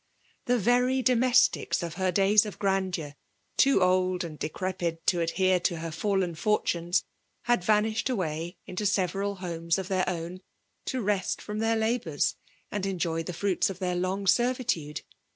The very domestics of her days of grandeur, too old and decrepit to adhere to her fallen fortimes> had vanished away into several hemes of their own, to rest from their labours^ and enjoy the frnits of their long servitude.